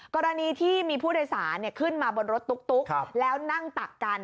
กรณีที่มีผู้โดยสารขึ้นมาบนรถตุ๊กแล้วนั่งตักกัน